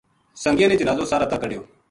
سنگیاں نے جنازو ساہرا تا کَڈھیو